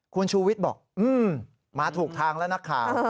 คุณชูวิทย์บอกมาถูกทางแล้วนักข่าว